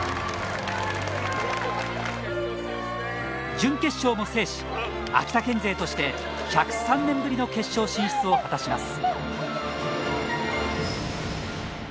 準決勝も制し秋田県勢として１０３年ぶりの決勝進出を果たします。